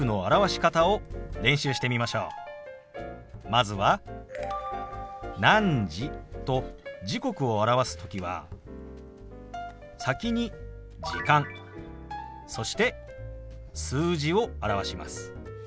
まずは「何時」と時刻を表す時は先に「時間」そして数字を表します。